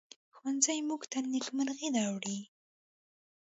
ښوونځی موږ ته نیکمرغي راوړي